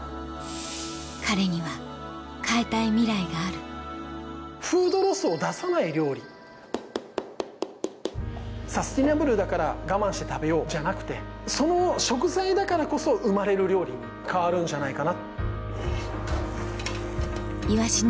彼には変えたいミライがあるサスティナブルだから我慢して食べようじゃなくてその食材だからこそ生まれる料理に変わるんじゃないかな。